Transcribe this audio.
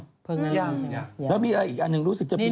ยังแล้วมีอะไรอีกอันหนึ่งรู้สึกจะผิด